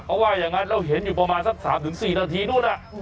เขาว่าอย่างนั้นเราเห็นอยู่ประมาณสัก๓๔นาทีนู่น